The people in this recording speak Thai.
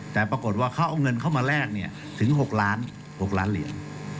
แต่ปรากฏว่าเขาเอาเงินเข้ามาแลกถึง๖ล้าน๖ล้านเหรียญ